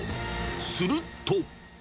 すると。